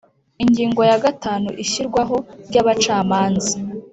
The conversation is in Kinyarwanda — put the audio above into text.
Ingingo ya gatanu Ishyirwaho ry abacamanza